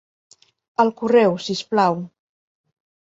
Al correu si us plau.